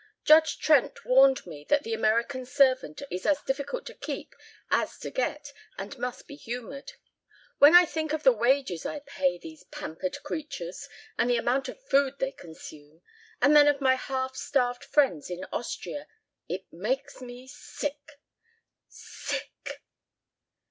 "Judge Trent warned me that the American servant is as difficult to keep as to get and must be humored. When I think of the wages I pay these pampered creatures and the amount of food they consume, and then of my half starved friends in Austria, it makes me sick sick!"